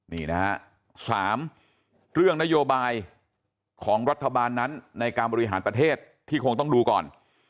นี่นะฮะ๓เรื่องนโยบายของรัฐบาลนั้นในการบริหารประเทศที่คงต้องดูก่อน